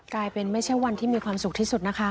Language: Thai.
กลายเป็นไม่ใช่วันที่มีความสุขที่สุดนะฮะ